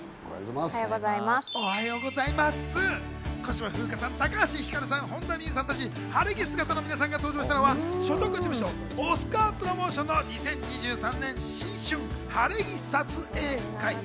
小芝風花さん、高橋ひかるさん、本田望結さん達、晴れ着姿の皆さんが登場したのは所属事務所、オスカープロモーションの２０２３年新春晴れ着撮影会。